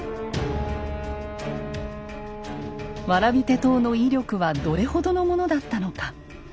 蕨手刀の威力はどれほどのものだったのか。